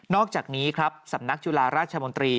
อกจากนี้ครับสำนักจุฬาราชมนตรี